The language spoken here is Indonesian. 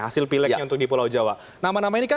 hasil pileknya untuk di pulau jawa nama nama ini kan